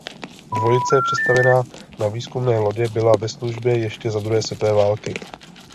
Dvojice přestavěná na výzkumné lodě byla ve službě ještě za druhé světové války.